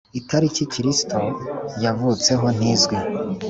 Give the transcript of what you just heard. Itariki Kristo yavutseho ntizwi